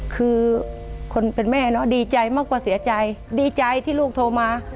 คือคนเป็นแม่เนอะดีใจมากกว่าเสียใจดีใจที่ลูกโทรมา